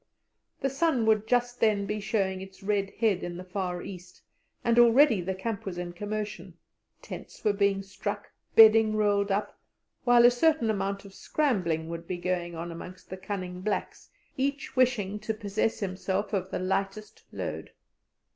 The sun would just then be showing its red head in the far east, and already the camp was in commotion; tents were being struck, bedding rolled up, while a certain amount of scrambling would be going on amongst the cunning blacks, each wishing to possess himself of the lightest load.